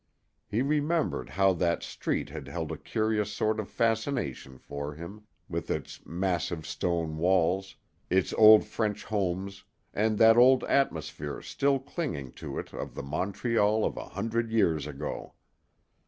He remembered how that street had held a curious sort of fascination for him, with its massive stone walls, its old French homes, and that old atmosphere still clinging to it of the Montreal of a hundred years ago.